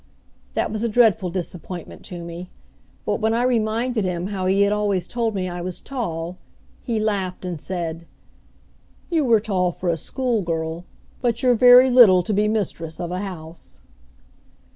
That was a dreadful disappointment to me, but when I reminded him how he had always told me I was tall, he laughed, and said: "You were tall for a school girl, but you're very little to be the mistress of a house."